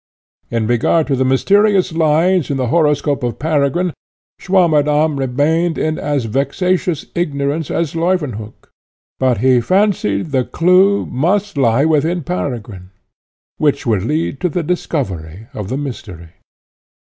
In regard to the mysterious lines in the horoscope of Peregrine, Swammerdamm remained in as vexatious ignorance as Leuwenhock; but he fancied the clue must lie within Peregrine, which would lead to the discovery of the mystery.